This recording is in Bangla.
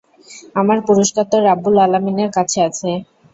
আমার পুরস্কার তো রাব্বুল আলামীনের কাছে আছে।